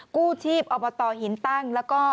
กู้ชีพอบตหินตั้งแล้วก็